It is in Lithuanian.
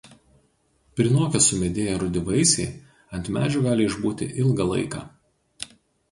Prinokę sumedėję rudi vaisiai ant medžio gali išbūti ilgą laiką.